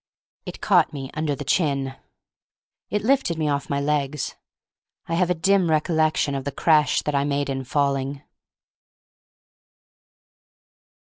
It caught me under the chin. It lifted me off my legs. I have a dim recollection of the crash that I made in falling.